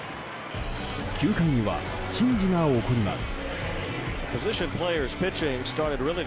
９回には珍事が起こります。